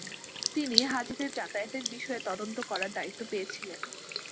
তিনি হাজিদের যাতায়াতের বিষয়ে তদন্ত করার দায়িত্ব পেয়েছিলেন।